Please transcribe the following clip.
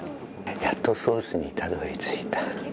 やっとソースにたどり着いた。